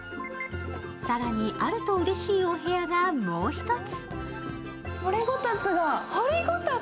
更にあるとうれしいお部屋がもう一つ。